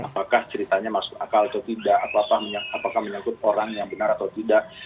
apakah ceritanya masuk akal atau tidak apakah menyangkut orang yang benar atau tidak